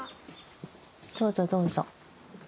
どうぞどうぞ。